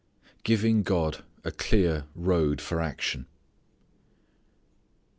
Giving God a Clear Road for Action.